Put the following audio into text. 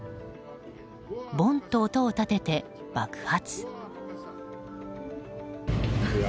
ボンッと音を立てて爆発。